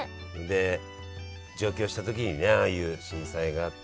で上京した時にねああいう震災があって。